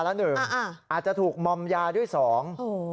แล้วก็บอกว่าเดี๋ยวเขาอย่ามระลักขึ้นนี้